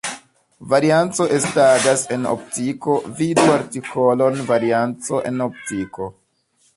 Varianco estadas en optiko, vidu artikolon varianco en optiko.